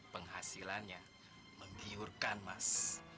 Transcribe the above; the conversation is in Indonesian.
penghasilannya membiurkan mas